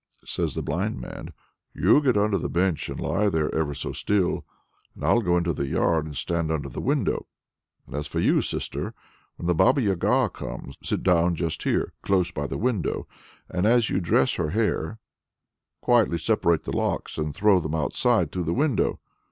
says the blind man, "you get under the bench, and lie there ever so still, and I'll go into the yard and stand under the window. And as for you, sister, when the Baba Yaga comes, sit down just here, close by the window; and as you dress her hair, quietly separate the locks and throw them outside through the window.